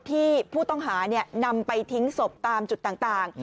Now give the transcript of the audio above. ที่ผู้ต้องหานำไปทิ้งศพตามจุดต่าง